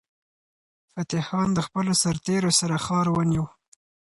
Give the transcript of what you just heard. فتح خان د خپلو سرتیرو سره ښار ونیو.